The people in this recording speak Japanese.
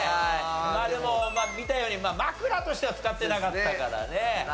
まあでも見たように枕としては使ってなかったからね。